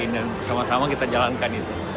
dan sama sama kita jalankan itu